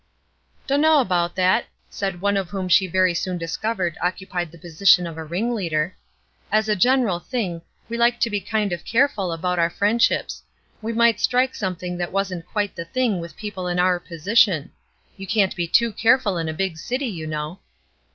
"Dunno about that," said one whom she very soon discovered occupied the position of a ringleader; "as a general thing, we like to be kind of careful about our friendships; we might strike something that wasn't quite the thing with people in our position. You can't be too careful in a big city, you know."